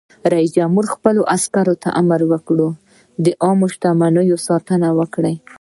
رئیس جمهور خپلو عسکرو ته امر وکړ؛ د عامه شتمنیو ساتنه وکړئ!